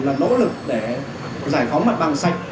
là nỗ lực để giải phóng mặt bằng sạch